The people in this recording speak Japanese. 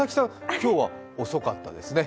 今日は遅かったですね。